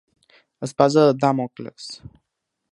Espasa de Dàmocles.